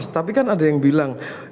tapi kan ada yang bilang